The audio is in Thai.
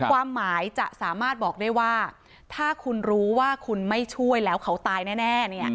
ความหมายจะสามารถบอกได้ว่าถ้าคุณรู้ว่าคุณไม่ช่วยแล้วเขาตายแน่